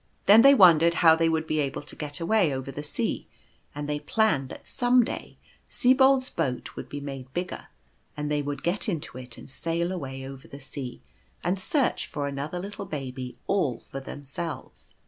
Then they wondered how they would be able to get away over the sea, and they planned that some day Sibold ? s boat would be made bigger, and they would get into it and sail away over the sea, and search for another little baby all for themselves.